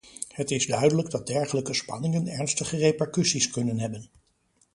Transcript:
Het is duidelijk dat dergelijke spanningen ernstige repercussies kunnen hebben.